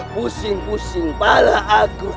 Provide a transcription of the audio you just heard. pusing pusing kepala aku